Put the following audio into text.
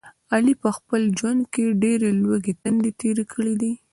علي په خپل ژوند کې ډېرې لوږې تندې تېرې کړي دي.